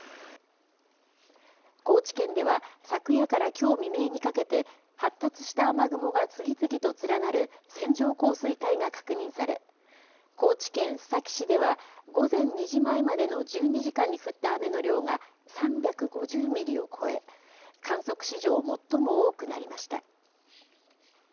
高知県では昨夜からきょう未明にかけて、発達した雨雲が次々と連なる線状降水帯が確認され、高知県須崎市では、午前２時前までの１２時間に降った雨の量が３５０ミリを超え、観測史上最も多くなりました。